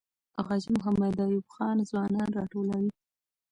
غازي محمد ایوب خان ځوانان راټولوي.